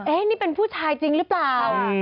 นี่เป็นผู้ชายจริงหรือเปล่า